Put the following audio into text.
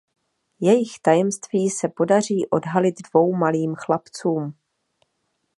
Jejich tajemství se podaří odhalit dvou malým chlapcům.